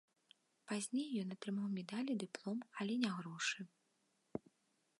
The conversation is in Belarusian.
Пазней ён атрымаў медаль і дыплом, але не грошы.